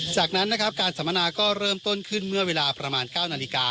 จากนั้นนะครับการสัมมนาก็เริ่มต้นขึ้นเมื่อเวลาประมาณ๙นาฬิกา